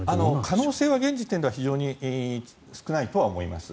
可能性は現時点では非常に少ないとは思います。